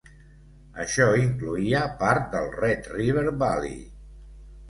Això incloïa part del Red River Valley.